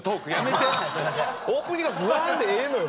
オープニングはふわんでええのよ。